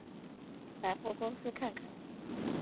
百货公司看看